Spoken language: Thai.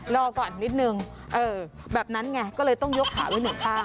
รอก่อนนิดนึงแบบนั้นไงก็เลยต้องยกขาไว้หนึ่งข้าง